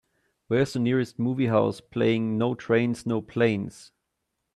where's the nearest movie house playing No Trains No Planes